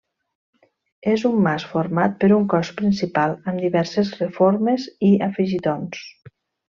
És un mas format per un cos principal amb diverses reformes i afegitons.